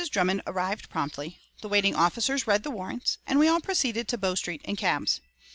Drummond arrived promptly, the waiting officers read the warrants, and we all proceeded to Bow Street in cabs.